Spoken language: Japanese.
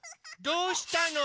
どうしたの？